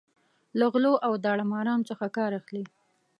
له غلو او داړه مارانو څخه کار اخلي.